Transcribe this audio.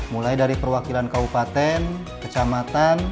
mulai dari perwakilan kabupaten kecamatan